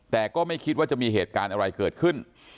แต่ก็ไม่คิดว่าจะมีเหตุการณ์อะไรเกิดขึ้น